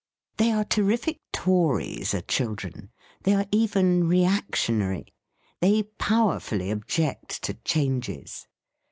They are terrific Tories, are children ; they are even reactionary! They powerfully object to changes.